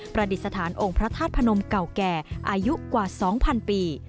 ประดิษฐานองค์พระธาตุพนมเก่าแก่อายุกว่า๒๐๐ปี